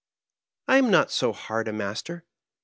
I am not so hard a master.